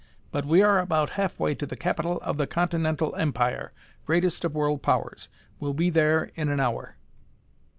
"But we are about halfway to the capital of the Continental Empire, greatest of world powers. We'll be there in an hour."